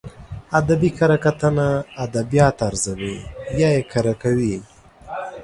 ادبي کره کتنه ادبيات ارزوي يا يې کره کوي.